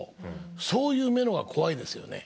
そういう目の方が怖いですよね。